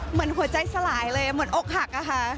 เหมือนหัวใจสลายเลยเหมือนอกหักอะค่ะ